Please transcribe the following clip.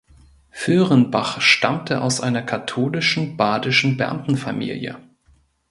Föhrenbach stammte aus einer katholischen badischen Beamtenfamilie.